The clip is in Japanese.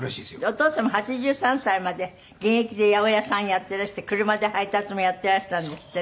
お父様８３歳まで現役で八百屋さんやっていらして車で配達もやっていらしたんですってね。